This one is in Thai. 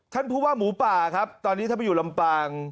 ท่านผู้ว่าหมูป่าครับตอนนี้ท่านไปอยู่ลำปาง